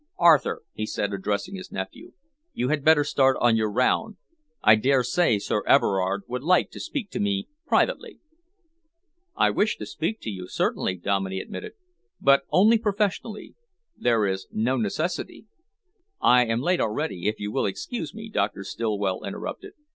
"Arthur," he said, addressing his nephew, "you had better start on your round. I dare say Sir Everard would like to speak to me privately." "I wish to speak to you certainly," Dominey admitted, "but only professionally. There is no necessity " "I am late already, if you will excuse me," Doctor Stillwell interrupted.